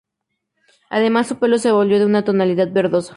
Además su pelo se volvió de una tonalidad verdosa.